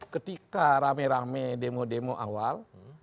ketika rame rame demo demo awal